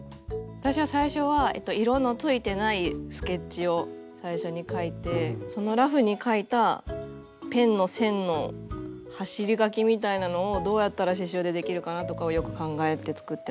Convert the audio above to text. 私は最初は色のついてないスケッチを最初に描いてそのラフに描いたペンの線の走り書きみたいなのをどうやったら刺しゅうでできるかなとかをよく考えて作ってます。